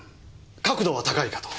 確度は高いかと。